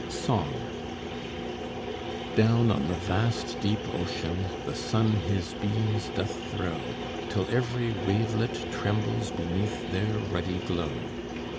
SONG Down on the vast deep ocean The sun his beams doth throw, Till every wavelet trembles Beneath their ruddy glow.